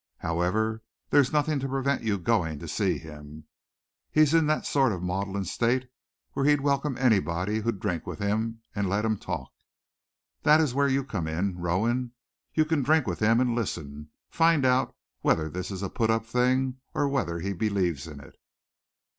However, there's nothing to prevent your going to see him. He's in that sort of maudlin state when he'd welcome anybody who'd drink with him and let him talk. That is where you come in, Rowan. You can drink with him, and listen. Find out whether this is a put up thing or whether he believes in it."